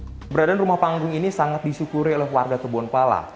keberadaan rumah panggung ini sangat disyukuri oleh warga kebonpala